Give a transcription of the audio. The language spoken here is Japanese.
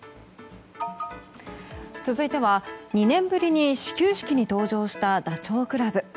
続いては、２年ぶりに始球式に登場したダチョウ倶楽部。